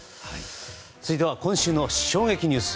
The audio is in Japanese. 続いては、今週の衝撃ニュース。